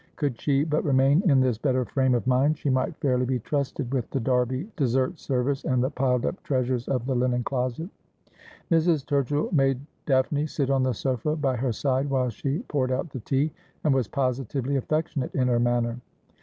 Could she but remain in this better frame of mind she might fairly be trusted with the Derby dessert service and the piled up treasures of the linen closet. Mrs. Turchill made Daphne sit on the sofa by her side while she poured out the tea, and was positively affectionate in her manner.